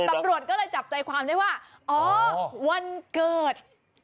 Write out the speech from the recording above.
ตำรวจก็เลยจับใจความได้ว่าอ๋อวันเกิด